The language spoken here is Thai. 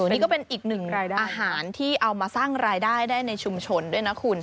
นี่ก็เป็นอีกหนึ่งอาหารที่เอามาสร้างรายได้ได้ในชุมชนด้วยนะคุณ